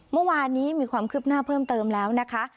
เมื่อวานนี้มีความคืบหน้าเพิ่มเติมแล้วนะคะ